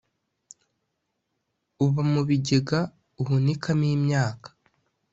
uba mu bigega uhunikamo imyaka,